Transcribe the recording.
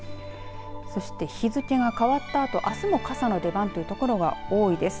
そして日付が変わったあとあすも傘の出番というところが多いです。